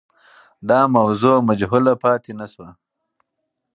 دا موضوع مجهوله پاتې نه سوه.